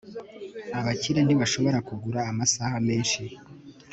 abakire ntibashobora kugura amasaha menshi